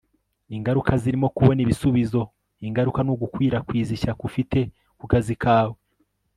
ingaruka zirimo kubona ibisubizo, ingaruka ni ugukwirakwiza ishyaka ufite ku kazi kawe